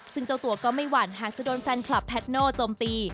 ซึ่งเจ้าตัวก็ไม่หวั่นหากจะโดนแฟนคลับแพทโน่โจมตี